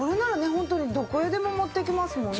ホントにどこへでも持っていけますもんね。